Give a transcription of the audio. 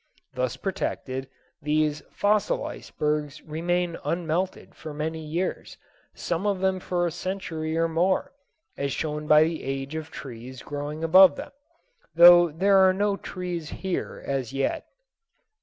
Thus protected, these fossil icebergs remain unmelted for many years, some of them for a century or more, as shown by the age of trees growing above them, though there are no trees here as yet.